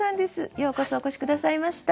ようこそお越し下さいました。